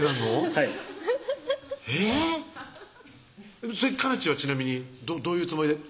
はいえぇっそれカナチはちなみにどういうつもりで？